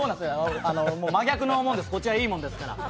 真逆のものです、こちらはすごくいいものですから。